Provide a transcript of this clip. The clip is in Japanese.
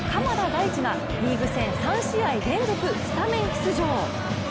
大地がリーグ戦３試合連続スタメン出場。